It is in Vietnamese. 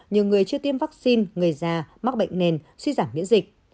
nhiều người chưa tiêm vaccine người già mắc bệnh nền suy giảm miễn dịch